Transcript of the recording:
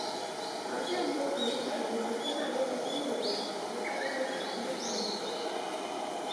Ao tempo, denunciaron que o cuestionario é "tendencioso" e que carece de garantías xurídicas.